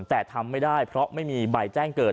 แต่ทำไม่ได้เพราะไม่มีใบแจ้งเกิด